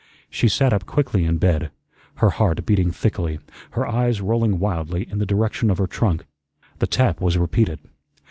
She sat up quickly in bed, her heart beating thickly, her eyes rolling wildly in the direction of her trunk. The tap was repeated.